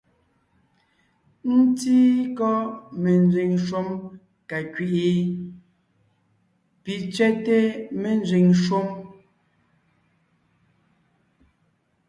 Ńtíí kɔ́ menzẅìŋ shúm ka kẅí’i ? Pì tsẅɛ́té ménzẅìŋ shúm.